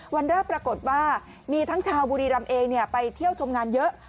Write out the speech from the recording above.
วันแรกปรากฏว่ามีทั้งชาวบุรีรำเองไปเที่ยวชมงานเยอะ